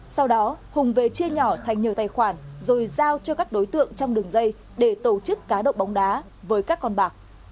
sau đó hùng về chia nhỏ thành nhiều tài khoản rồi giao cho các đối tượng trong đường dây để tổ chức cá độ bóng đá với các con bạc